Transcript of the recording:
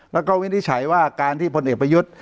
แล้วก็วินิจฉัยว่าการที่พลเอกประยุทธ์